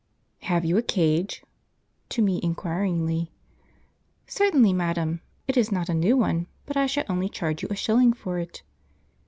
"Have you a cage?" to me inquiringly. "Certainly, madam; it is not a new one, but I shall only charge you a shilling for it."